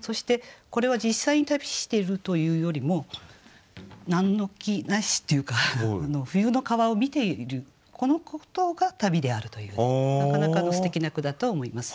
そしてこれは実際に旅しているというよりも何の気なしというか冬の川を見ているこのことが旅であるというねなかなかのすてきな句だと思います。